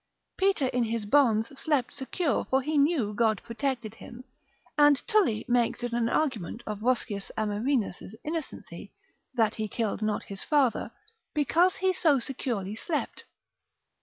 Peter in his bonds slept secure, for he knew God protected him; and Tully makes it an argument of Roscius Amerinus' innocency, that he killed not his father, because he so securely slept.